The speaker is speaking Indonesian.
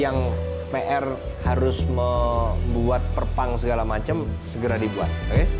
yang pr harus membuat perpang segala macam segera dibuat